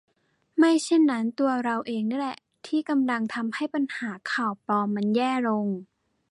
ไม่เช่นนั้นตัวเราเองนี่แหละที่กำลังทำให้ปัญหา ข่าวปลอม มันแย่ลง